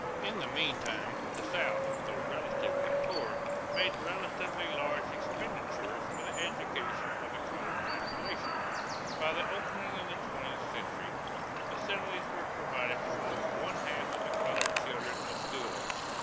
In the meantime, the South, though relatively poor, made relatively large expenditures for the education of the colored population. By the opening of the twentieth century, facilities were provided for more than one half of the colored children of school age.